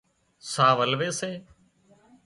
ساهَه ولوي سي